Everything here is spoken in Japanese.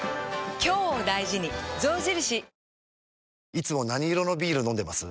いつも何色のビール飲んでます？